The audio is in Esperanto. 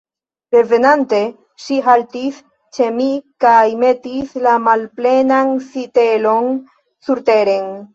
Revenante, ŝi haltis ĉe mi kaj metis la malplenan sitelon surteren.